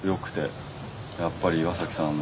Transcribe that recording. やっぱり岩さんの。